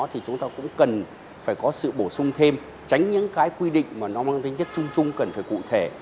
thì chúng ta cũng cần phải có sự bổ sung thêm tránh những cái quy định mà nó mang tính chất chung chung cần phải cụ thể